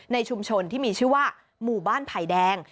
ในชุมชนที่มีชื่อว่าหมู่บ้านไผ่แดง